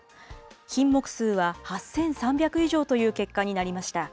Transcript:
品目数は８３００以上という結果になりました。